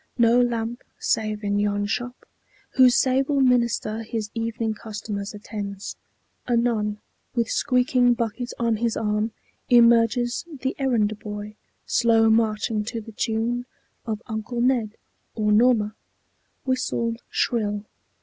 No lamp Save in yon shop, whose sable minister His evening customers attends. Anon, With squeaking bucket on his arm, emerges The errand boy, slow marching to the tune Of "Uncle Ned" or "Norma," whistled shrill.